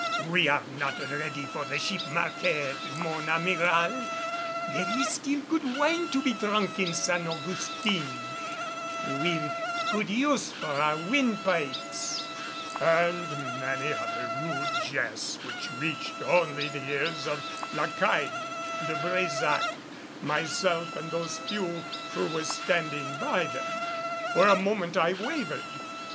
"We are not yet ready for the sheep market, mon Amiral!" "There is still good wine to be drunk in San Augustin, and we've good use for our windpipes." And many other rude jests which reached only the ears of La Caille, De Brésac, myself and those few who were standing by them. For a moment I wavered.